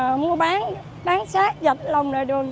bán xe bán lề đường bán lề đường bán lề đường bán lề đường bán lề đường